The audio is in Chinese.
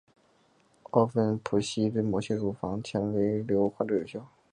奥美昔芬对某些乳房纤维腺瘤患者有效。